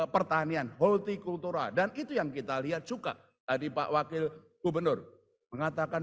pertanian holti kultura dan itu yang kita lihat juga tadi pak wakil gubernur mengatakan